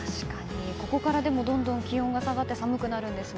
ここからどんどん気温が下がってそうなんです。